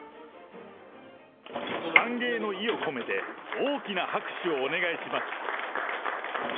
歓迎の意を込めて、大きな拍手をお願いします。